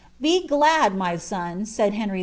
"Be glad, my son,"* said Henry II.